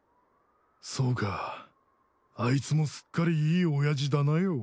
そうかあいつもすっかりいい親父だなよ。